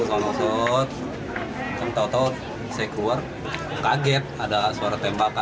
langsung tau tau saya keluar kaget ada suara tembakan